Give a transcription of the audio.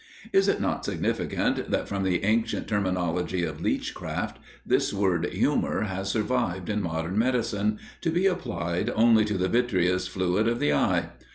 Is it not significant, that from the ancient terminology of leechcraft, this word "humour" has survived in modern medicine, to be applied only to the vitreous fluid of the eye?